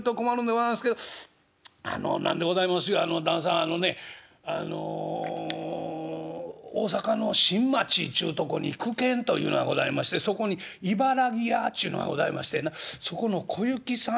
あのねあの大阪の新町っちゅうとこに九軒というのがございましてそこに茨木屋っちゅうのがございましてなそこの小雪さん